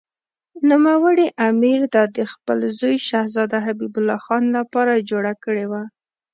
نوموړي امیر دا د خپل زوی شهزاده حبیب الله خان لپاره جوړه کړې وه.